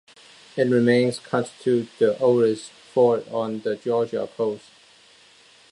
Its remains constitute the oldest fort on the Georgia coast.